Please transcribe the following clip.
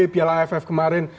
piala aff kemarin